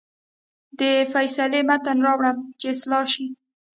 د فیصلې متن راوړه چې اصلاح شي.